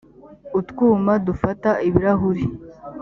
utwuma dufata ibirahuri